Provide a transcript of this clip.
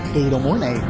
từ đầu mối này